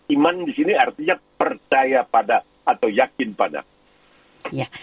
iman di sini artinya percaya pada atau yakin pada